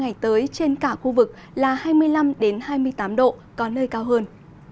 nhiệt độ cao nhất trên cả khu vực là hai mươi năm hai mươi tám độ có nơi cao hơn